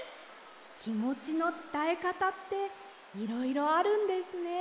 きもちのつたえかたっていろいろあるんですね。